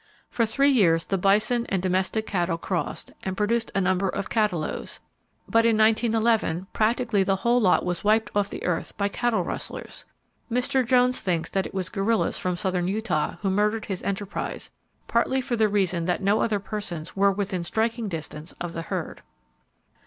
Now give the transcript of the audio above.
For three years the bison and domestic cattle crossed, and produced a number of cataloes; but in 1911, practically the whole lot was wiped off the earth by cattle rustlers! Mr. Jones thinks that it was guerrillas from southern Utah who murdered his enterprise, partly for the reason that no other persons were within striking distance of the herd.